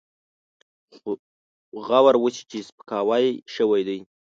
غور وشي چې سپکاوی شوی دی.